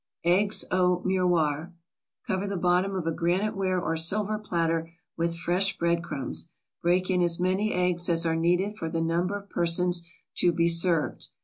EGGS AU MIROIR Cover the bottom of a graniteware or silver platter with fresh bread crumbs, break in as many eggs as are needed for the number of persons to be served.